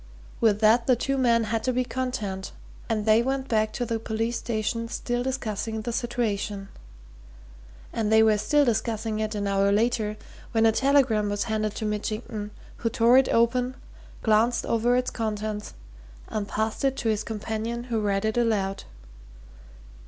With that the two men had to be content, and they went back to the police station still discussing the situation. And they were still discussing it an hour later when a telegram was handed to Mitchington, who tore it open, glanced over its contents and passed it to his companion who read it aloud.